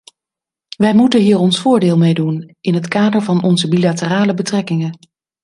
Wij moeten hier ons voordeel mee doen in het kader van onze bilaterale betrekkingen.